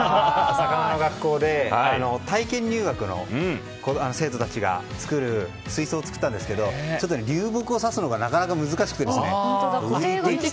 魚の学校で体験入学の生徒たちが作る水槽を作ったんですけど流木を刺すのがなかなか難しくて。